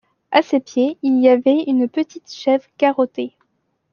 À ses pieds il y avait une petite chèvre garrottée.